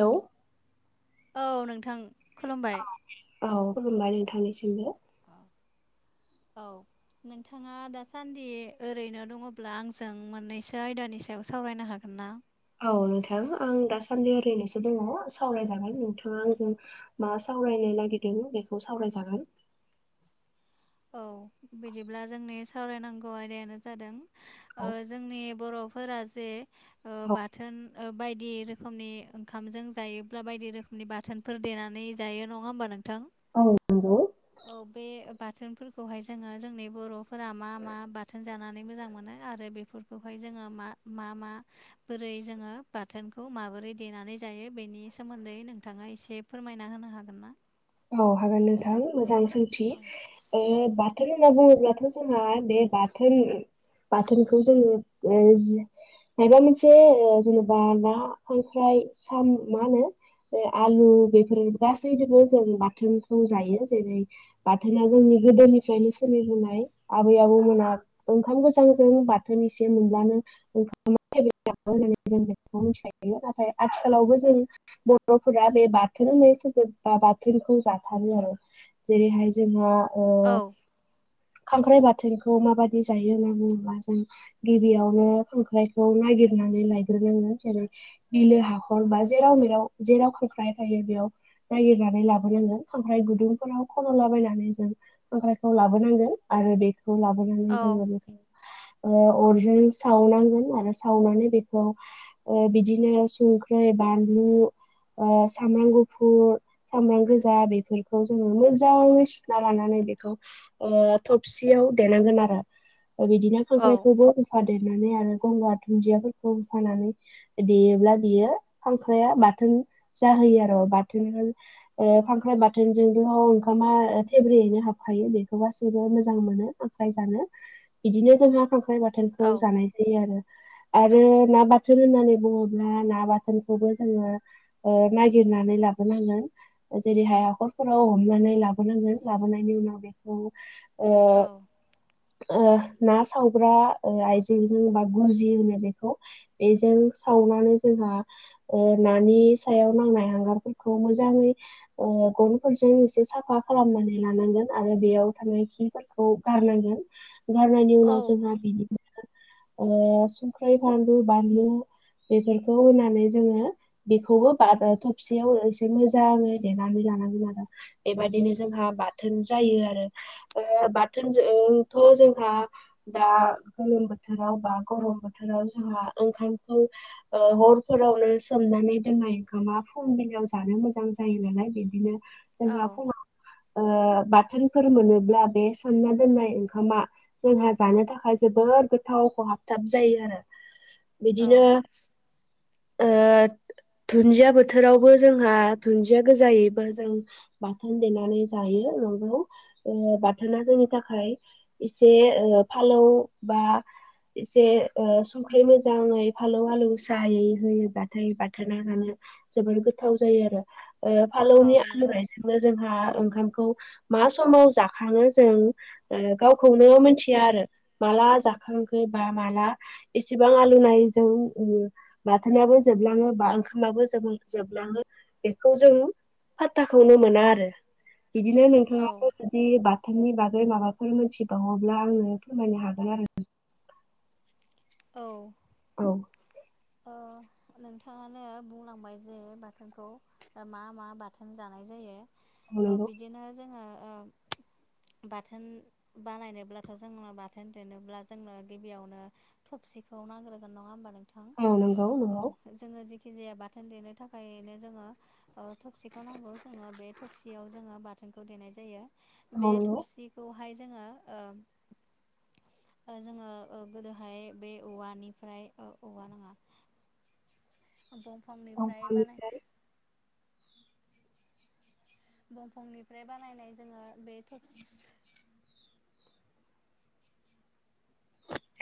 Hello. औ नोंथां। खुलुमबाय। औ औ खुलुमबाय नोंथांनिसिमबो। औ औ नोंथांङा दासान्दि ओरैनो दङब्ला आंजों मोननैसो आयदानि सायाव सावरायनो हागोन ना? औ नोंथां आं दासान्दि ओरैनोसो दङ सावरायजागोन नोंथांङा आंजों मा सावराय। सावरायनो नागिरदों बेखौ सावरायजागोन। [inaudible] औ बिदिब्ला जोंनि सावरायनांगौ आयदायानो जादों ओ औ जोंनि बर' फोर जे औ बाथोन बायदि बायदि रोखोमनि ओंखामजों जायोब्ला बायदि रोखोमनि बाथोनफोर देनानै जायो नंङा होमबा नों नोंथां औ नंगौ औ बे बाथोनफोरखौहाय जोंङो जोंनि बर'फोरा मा मा बाथोन जानानै मोजां मोनो आरो बेफोरखौहाय जोंङो। मा माबोरै जोंङो बाथोनखौ माबोरै देनानै जायो बेनि सोमोनदै नोंथांङा एसे फोरमायना होनो हागोन ना? औ हागोन नोंथां मोजां सोंथि औ बाथौ। होनना बुंङोब्लाथ' जोंहा बे बाथोन बाथोनखौ जोंङो। माबा मोनसे जेनेबा ननिफ्राय साम मा होनो। आलु बेफोर गासैदिबो। जों बाथोनखौ जायो जेरै बाथोना जोंनि गोदोनिफ्रायनो सोलिबोनाय आबै आ ओंखाम गोजां जों बाथोननिसे मोनब्लानो [unintelligible] होननानै जों। मिथिखायो नाथाय आथिखालावबो जों बर'फोरा बे बाथोन होननाय बा बा थोनखौ जाथारो आरो जेरैहाय जोंङो ओ औ खांख्राइ बाथोनखौ माबादि जायो होनना बुङोब्ला जों गिबियावनो खांख्राइखौ नागिरनानै लायग्रोनांगो जेरै बिलो हाखर बा जेराव मेराव जेराव खांख्राय थायो बेयाव। नागिरनानै ला खांख्राय गुदुं फोराव खन 'लाबायनानै जों खांख्रायखौ लाबोनांगोन आरो बेखौ। लाबोनानै औ जोङो बेखौ। अरजों सावनांगोन आरो सावनानै बेखौ बिदिनो संख्रै बानलु सामब्राम गुफुर सामब्राम। गोजा बेफोरखौ जोङो मोजांनो सुना लानानै बेखौ ओ थबसियाव देनांगोन। बिदिनो औ खांख्रायखौबो होफा देनानै आरो गंगार दुन्दियाफोरखौ होफानानै देयोब्ला बियो खांख्राया बाथोन। जाहोयो आरो बाथोन। ओ खांख्राइ बाथोनजोंथ ओंखामा थेब्रेयैनो हाबखायो बेखौ गासैबो मोजां मोनो। खांख्राय जानो बिदिनो जोंहा खांख्राइ बाथोनखौ औ जानाय जायो आरो। आरो ना बाथोन होननानै बुङोब्ला ना बाथोनखौबो जोङो नायगिर नानै लाग्रो नांगोन। जेरैहाय हाखरफोराव हमनानै लाबोनांगोन लाबोनायनि उनाव बेखौ। ओ औ। ओ ना सावग्रा ओ आइजेंजों बा गुजि होनो बेखौ बेजों सा सावनानै जोंहा नानि सायाव नांनाय हांगारफोरखौ मोजाङै। गनफोरजों एसे साफा खालामनानै लानांगोन आरो बेयाव थानाय खिफोरखौ गारनांगोन। गारनायनि औ उनाव जोंहा बिनिफ्राय ओ सुंख्रै फानलु बानलु। बेफोरखौ होनानै जोङो बेखौबो बा थबसियाव एसे मोजाङै देनानै लानांगोन आरो एबायदिनो जोंहा बाथोन जायो आरो बाथोन जोंथ' जोंहा दा गोलोम बोथोराव बा गरम बोथोराव जोंहा ओंखा खौ ओ हरफोरावनो सोमनानै दोननाय ओंखामा फुंबिलियाव जानो मोजां जायो नालाय बिदिनो औ जेनेबा फुङाव ओ बाथोनफोर मोनोब्ला बे सानना दोननाय ओंखामा जोंहा जानो थाखाय जोबोद जोबोर गोथाव खहाबथाब जायो आरो। [inaudible] बिदिनो ओ धुन्दिया बोथोरावबो जोंहा धुन्दिया गोजायैबो जों बाथोन देनानै जायो नंगौ बाथोना जों थाखाय एसे ओ फालौ बा एसे ओ संख्रि मोजाङै फालौ आलौ गोसायै होयोबाथाय बाथोना जानो जोबोर गोथाव जायो आरो। फालौनि औ नंगौ आलुनायजोंनो जोंहा ओंखामखौ मा समाव जाखाङो जों ओ गावखौनो मिथिया आरो। माला जाखांखो बा माला एसेबां आलौनायजों बाथोनाबो जोब लाङो बा ओंखामाबो जों जोबलाङो बेखौ जों फात्ताखौनो मोना आरो बिदिनो नोंथाङाबो औ जुदि बा थोननि बागै माबाफोर मोनथिबावोब्ला आङो फोरमायनो हागोन आरो। औ औ अ नोंथाङानो बुंलांबाय जे बाथोनखौ मा मा बाथोन जानाय जायो। ओ नंगौ बिदिनो जोंना ओ बाथोन बानायनोब्लाथ' जोंनो बाथोन देनोब्ला जोंनो गिबियावनो थब सिखौ नांग्रोन नङा होमबा नोंथां? औ नंगौ औ नंगौ जोंङो जिखु खिजाया बाथोन देनो थाखायनो जोंङो ओ थबसिखौ नांगौ जोंङो बे थबसियाव जोंङो बाथोन देनाय जायो बे औ नंगौ थफसिखौहाय जोंङो ओ जोंङो ओ गोदोहाय बे औवानिफ्राय औवा नङा बंफांनिफ्राय बानाय दंफांनिफ्राय बंफांनिफ्राय बानायनाय जोंङो बे थफसि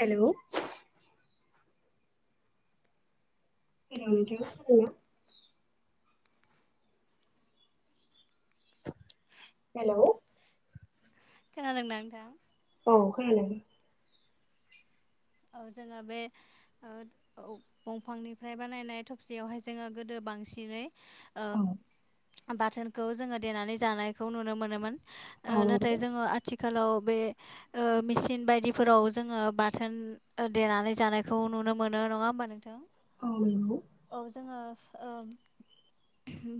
हेलौ [unintelligible] हेलौ खोनादों ना नोंथां? औ खोनादों। औ जोंङो बे दंफांनिफ्राय बानायनाय थबसेयावहाय जोंङो गोदो बांसिनै हेलौ औ बाथोनखौ जोंङो देनानै जानायखौ नुनो मोनोमोन। नाथाय खोनादों जोंङो आथिखाल आथिखालाव बे मेसिन बायदिफोराव जोंङो बाथोन देनानै जानायखौ नुनो मोनो नंङा होमबा नोंथां? औ औ जोंङो ओ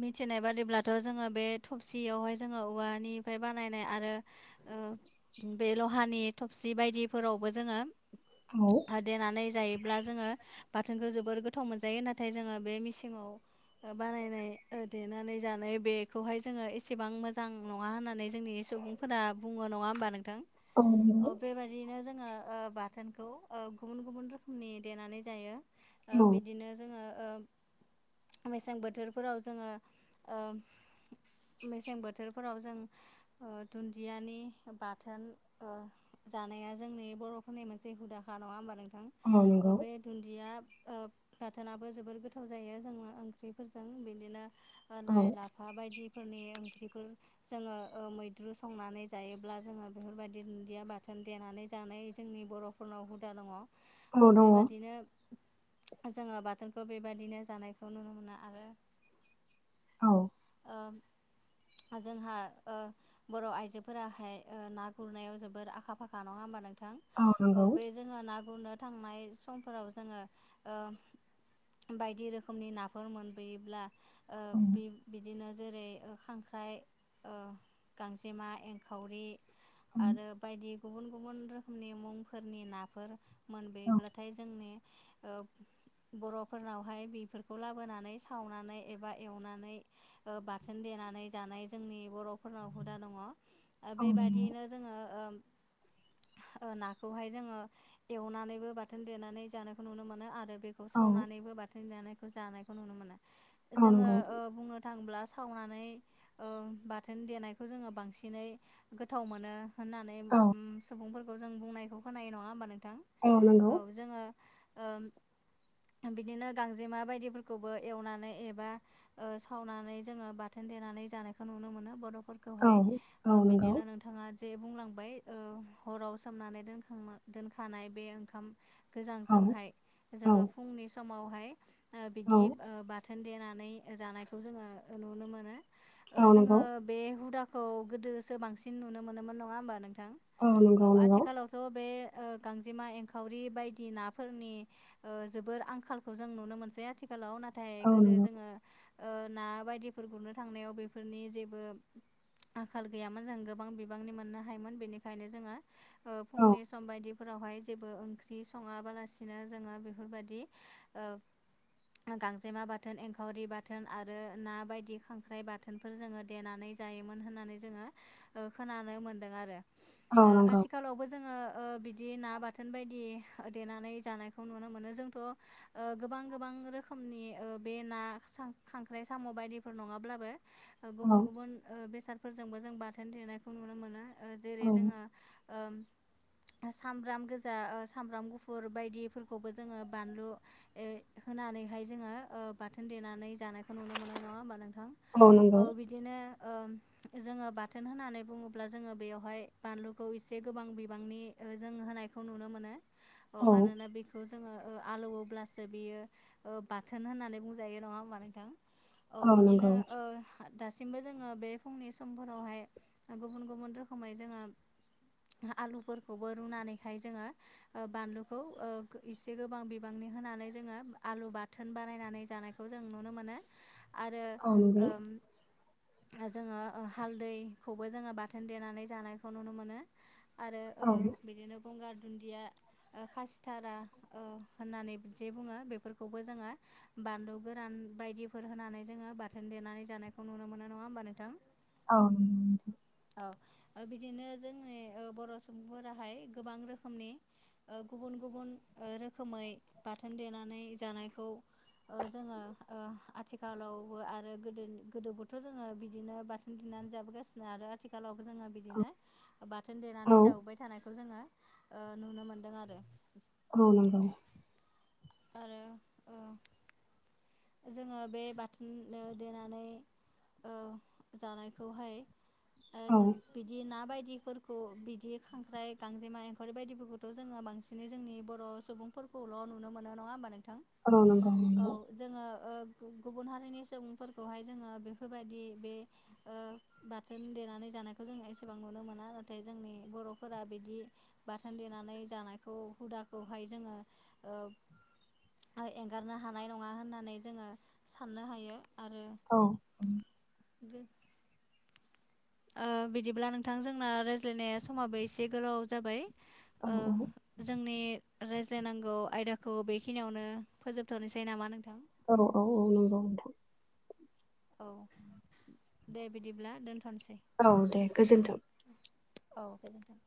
मिथिनाय बादिब्लाथ' जोंङो बे थबसियावहाय जोंङो औवानिफ्राय बानायनाय आरो ओ बे लहानि थबसि बायदिफोरावबो जोंङो औ हो देनानै जायोब्ला जोंङो बाथोनखौ जोबोर गोथाव मोनजायो नाथाय नाथाय जोंङो बे मिेसिंवा बानायनाय ओ देनानै जानाय बेखौहाय जोङो एसेबां मोजां नंङा होननानै जोंनि सुबुंफोरा बुङो नङा होमबा नोंथां औ नंगौ अ बेबादियैनो जोंङो बाथोनखौ गुबुन गुबुन रोखोमनि देनानै जायो बिदिनो जोङो ओ मेसें बोथोरफोराव जोंङो ओ मेसें बोथोरफोराव जों दुन्दियानि बाथोन जानाया जोंनि बर'फोरनि मोनसे हुदाखा नङा होमबा नों औ नंगौ बे दुनदिया बाथोना बबो जोबोर गोथाव जायो जोङो ओंख्रिफोरजों बिदिनो औ लाइ लाफा बायदिफोरनि ख्रिफोर जोङो मैद्रु संनानै जायोब्ला जोङो बेफोरबायदि दुन्दिया बाथोन देनानै जायो जोंनि बर'फोरनाव हुदा दङो औ नंगौ बेबाददिनो जोङो बाथोन बखौ बेबायदिनो जानायखौ नुनो मोना आरो औ ओ जोंहा बर' आइजोफोराहाय ना गुरनायाव जोबोर आखा फाखा नङा होमबानो औ बे जोङो ना गुरनो थांनाय समफोराव जोङो ओ बायदि रोखोमनि नाफोर मोनबोयोब्ला औ बे बिदिनो जेरै खांख्राइ गांजेमा एंखावरि आरो बायदि गुबुन गुबुन रोखोमनि मुंफोरनि नाफोर मोनबोब्लाथाय जोंनि ओ बर'फोरनावहाय बेफोरखौ लाबोनानै सावनानै एबा एवनानै बाथोन देनानै जानाय जोंनि बर'फोरनाव हुदा दङ औ बे दङ बियैनो जोङो नाखौहाय जोङो एवनानैबो बाथोन देनानै जानायखौ नुनो मोनो आरो बेखौ औ सावनानैबो बाथोन दानायखौ जानायखौ नुनो मोना औ जोङो नंगौ नांब्ला सावनानै बाथोन देनायखौ जोङो बांसिनै गोथाव मोनो होननानै औ सुबुंफोरखौ जों बुंनायखौ खोनायो नङा होमबा नोंथां औ जोङो बिदिनो गांजेमा बायदिफोरखौबो एवनानै एबा खावनानै जोङो बाथोन देनानै जानायखौ नुनो मोनो औ बर'फोरखौहाय औ नंगौ औ बिदिनो नोंथाङा जे बुंलांबाय हराव सोमनानै दोनखां दोनखानाय बे ओंखाम गोजांजोंहाय जोङो फुंनि समावहाय बिदि बाथोन देनानै जानायखौ जोङो नुनो मोनो औ नंगौ औ नंगौ जोङो बे हुदा खौ गोदोसो बांसिन नुनो मोनोमोन नङा होमबा नोंथां औ आथिखालावथ' बे गांजेमा एंखावरि बायदि नाफोरनि ओ जोबोर आंखालखौ जों नुनो मोनसै आथिखाल खालाव नाथाय औ गोदो जोङो ओ ना बायदिफोर गुरनो थांनायाव बेफोरनि जेबो आंखाल गैयामोन जों गोबां बिबांनि मोननो हायोमोन बेनिखायनो जोङो फुंनि सम बायदि फोरावहाय जेबो ओंख्रि सङाबालासिनो जोङो बेफोरबायदि गांजेमा बाथोन एंखावरि बाथोन थोन आरो ना बायदि खांख्राइ बाथोनफोर जोङो देनानै जायोमोन होननानै जोङो ओ खोन नांनो मोनदों आरो औ नंगौ आथिखालावबो जोङो ओ बिदि ना बाथोन बायदि देनानै जानायखौ नुनो मोनो जोंथ' ओ गोबां गोबां गोबां रोखोमनि बे ना खांख्राइ साम' बायदिफोर नङाब्लाबो औ गुबुन गुबुन बेसादफोर जों जोंबो जों बाथोन देनायखौ नुनो मोनो ओ जेरै औ जोङो ओ सामब्राम गोजा सामब्राम गुफुर बायदिफोरखौबो जोङो बानलु होनानै रैहाय जोङो बाथोन देनानै जानायखौ नुनो मोनो नङा होमबा नोंथां औ बिदिनो ओं जोङो बाथोन होननानै बुङोब्ला जोङो बेयावहाय बानलुखौ एसे गोबां बिबांनि जों होन नायखौ नुनो मोनो औ मानोना बेखौ जोङो ओ आलौवोब्लासो बियो बाथोन होननानै बुंजायो नङा होमबा नोंथां ओ औ बिदिनो नंगौ ओ दासिमबो जोङो बे फुंनि समफोरावहाय गुबुन गुबुन रोखोमै जोङो आलुफोरखौबो रुनानैहाय जोङो बानलुखौ एसे गोबां बिबांनि होनानै जोङो आलु बाथोन बानायनानै जानायखौ जों नु नो मोनो आरो औ नंगौ ओ जोङो हालदैखौबो जोङो बाथोन देनानै जानायखौ नुनो मोनो। आरो औ बिदिनो गंगार दुनदिया खाासिथारा होननानै जे बुङो बेफोरखौबो जोङो बानलु गोरान बायदिफोर होनानै जोङो बाथोन देनानै जानायखौ नुनो मोनो नङा होमबा नोंथां। औ दे औ बिदिनो जोंनि बर' सुबुंफोराहाय गोबां रोखोमनि ओ गुबुन गुब गुबुन रोखोमै बाथोन देनानै जानायखौ ओ जोङो ओ आथिखालावबो आरो गोदो गोदोबोथ' जोङो बिदिनो बाथोन देनानै जाबोगासिनो आरो आथिखालाव जोङो बिदिनो बाथोन औ देनानै जाबोबाय थानायखौ जोङो नुनो मोनदों आरो औ नंगौ। आरो ओ जोङो बे बाथोन देनानै ओ जानायखौहाय औ बिदि ना बायदि बिदिफोरखौ बिदि खांख्राइ गांजेमा एंखावरि बायदिफोरखौथ' जोङो बांसिनै जोंनि बर' सुबुंफोरखौ खौल' नुनो मोनो नङा होनबा नों औ नंगौ नंगौ गुबुन हारिनि सुबुंफोरखौहाय जोङो बेफोरबायदि बे बाथोन। देनानै जानायखौ जों एसेबां नुनो मोना नाथाय जोंनि बर'फोरा बिदि बाथोन देनानै जा जानायखौ हुदाखौहाय जोङो ओ एंगारनो हानाय। नङा होननानै जोङो साननो हायो आरो औ ओ बिदिब्ला नोंथां जोंना रायज्लायनाया समाबो एसे गोलाव जाबाय औ ओ जोंनि रायज्लायनांगौ आयदाखौ बेखिनियावनो फोजोबथ'नोसै नामा नोंथां। औ औ औ नोंगौ नोंथां। औ दे बिदिब्ला दोनथ'नोसै। औ दे गोजोन्थों। औ गोजोनथों।